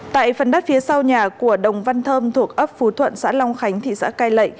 tại phần đất phía sau nhà của đồng văn thơm thuộc ấp phú thuận xã long khánh thị xã cai lệ